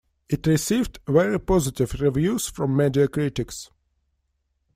It received very positive reviews from media critics.